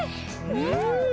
うん！